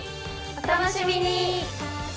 お楽しみに！